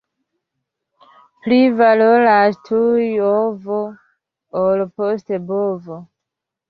Pli valoras tuj ovo, ol poste bovo.